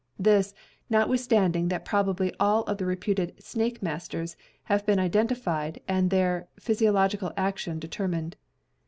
This, notwithstanding that probably all of the reputed "snake masters" have been identified and their physi ological action determined.